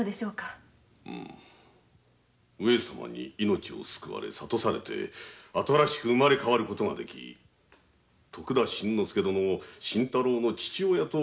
上様に命を救われ諭されて新しく生まれ変わる事ができ徳田新之助殿を新太郎の父親と教えたのかもしれぬな。